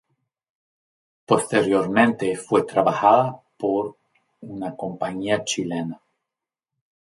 Posteriormente fue trabajada por una compañía chilena.